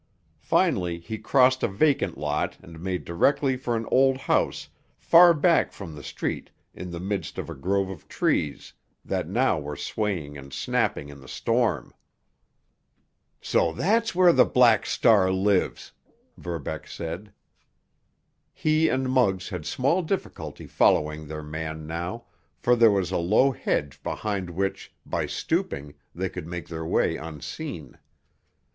Finally he crossed a vacant lot and made directly for an old house far back from the street in the midst of a grove of trees that now were swaying and snapping in the storm. "So that's where the Black Star lives!" Verbeck said. He and Muggs had small difficulty following their man now, for there was a low hedge behind which, by stooping, they could make their way unseen.